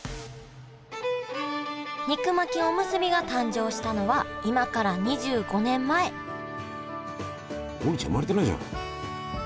肉巻きおむすびが誕生したのは今から２５年前王林ちゃん生まれてないじゃん。